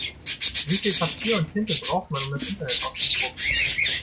Wie viel Papier und Tinte braucht man, um das Internet auszudrucken?